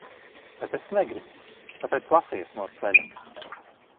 Bet es negribu, tāpēc lasies no ceļa!